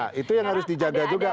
nah itu yang harus dijaga juga